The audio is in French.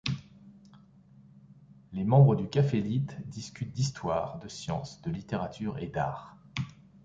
Les membres du CaféLitt discutent d’histoire, de science, de littérature et des arts.